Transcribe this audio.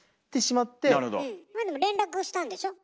まあでも連絡したんでしょ？